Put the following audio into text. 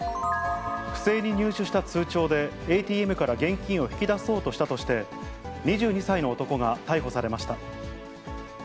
不正に入手した通帳で、ＡＴＭから現金を引き出そうとしたとして、２２歳の男が逮捕されました。